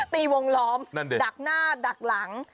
ตีวงล้อมดักหน้าดักหลัง